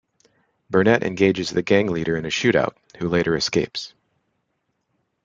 Burnett engages the gang leader in a shootout, who later escapes.